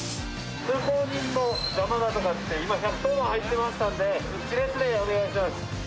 通行人の邪魔だとかって、今、１１０番入ったので、１列でお願いします。